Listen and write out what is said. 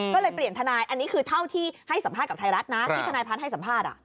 ก็เลยเปลี่ยนทนายอันนี้คือเท่าที่ให้สัมภาษณ์กับไทยรัฐนะที่ทนายพัฒน์ให้สัมภาษณ์